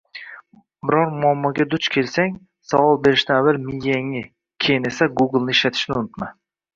Biror muammoga duch kelsang, savol berishdan avval miyangni keyin esa Google ishlatishni unutma